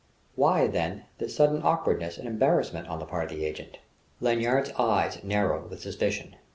Why then this sudden awkwardness and embarrassment on the part of the agent? Lanyard's eyes narrowed with suspicion.